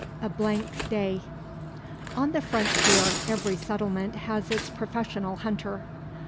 A BLANK DAY. On the frontier every settlement has its professional hunter.